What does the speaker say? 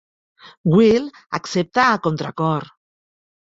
Will accepta a contracor.